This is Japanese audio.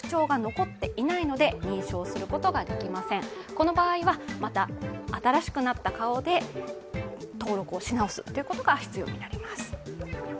この場合は新しくなった顔で登録し直すことが必要になります。